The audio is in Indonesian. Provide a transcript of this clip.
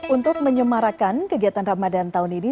untuk menyemarakan kegiatan ramadan tahun ini